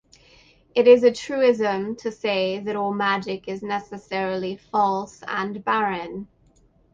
It is a truism to say that all magic is necessarily false and barren.